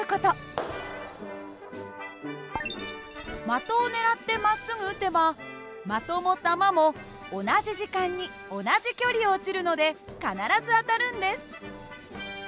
的を狙ってまっすぐ撃てば的も球も同じ時間に同じ距離落ちるので必ず当たるんです。